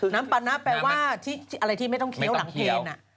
น้ำปานะแปลว่าที่อะไรที่ไม่ต้องเคี้ยวหลังเพล